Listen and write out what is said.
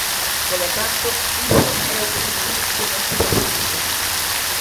Polo tanto, iso é o que se reflicte nestes orzamentos.